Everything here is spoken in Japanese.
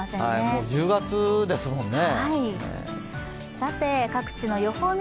もう１０月ですもんね。